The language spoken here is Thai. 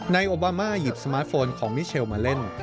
โอบามาหยิบสมาร์ทโฟนของมิเชลมาเล่น